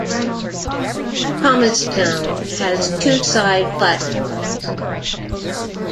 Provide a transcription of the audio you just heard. Thomastown has two side platforms.